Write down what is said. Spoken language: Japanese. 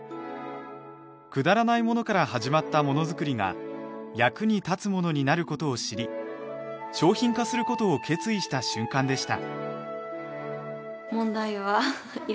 くだらないものから始まったもの作りが役に立つものになる事を知り商品化する事を決意した瞬間でした。